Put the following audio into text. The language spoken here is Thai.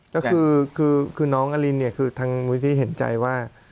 ก็คือน้องอลินเนี่ยคือทางมูลที่เห็นใจว่า